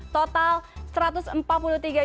total satu ratus empat puluh teman